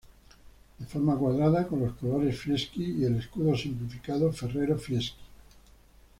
De forma cuadrada, con los colores Fieschi, y el escudo simplificado Ferrero-Fieschi.